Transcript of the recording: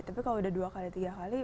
tapi kalau udah dua kali tiga kali